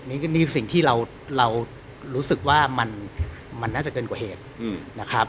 นี่คือสิ่งที่เรารู้สึกว่ามันน่าจะเกินกว่าเหตุนะครับ